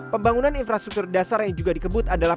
pembangunan infrastruktur dasar yang juga dikebut adalah